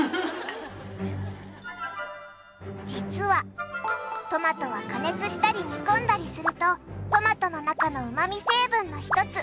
実はトマトは加熱したり煮込んだりするとトマトの中のうまみ成分の一つ